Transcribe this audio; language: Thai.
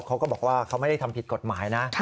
เขาก็บอกว่าเขาไม่ได้ทำผิดกฎหมายนะ